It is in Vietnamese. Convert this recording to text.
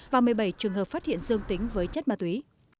và một mươi bảy trường hợp phát hiện dương tính với chất ma túy